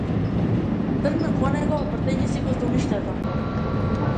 Тргнав по него, вртејќи си го здолништето.